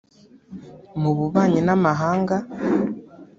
mu bubanyi n’amahanga